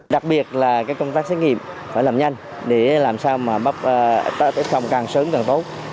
đặc biệt là công tác xét nghiệm phải làm nhanh để làm sao mà phòng càng sớm càng tốt